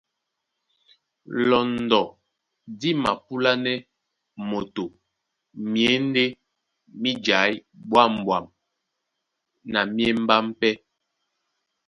Lɔndɔ dí mapúlánɛ́ moto myěndé mí jaí ɓwâmɓwam na mí émbám pɛ́.